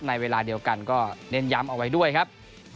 ในเวลาเดียวกันก็เน้นย้ำเอาไว้ด้วยครับ